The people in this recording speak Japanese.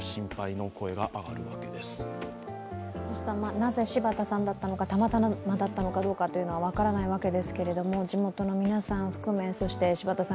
なぜ柴田さんなのか、たまたまだったのかということは分からないわけですけれども地元の皆さん含めそして柴田さん